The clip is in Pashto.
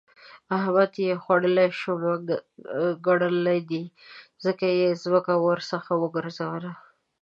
احمد يې خوړلې شومه ګنلی دی؛ ځکه يې ځمکه ورڅخه وګرځوله.